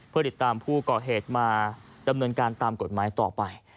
เพื่อติดตามผู้ก่อเหตุมาดำเนินการตามกฎหมายต่อไป